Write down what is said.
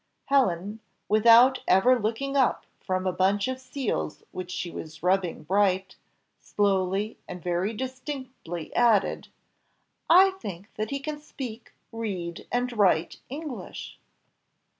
Helen, without ever looking up from a bunch of seals which she was rubbing bright, slowly and very distinctly added, "I think that he can speak, read, and write English."